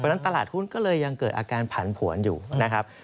เพราะฉะนั้นตลาดหุ้นก็เลยยังเกิดอาการผันผวนอยู่นะครับ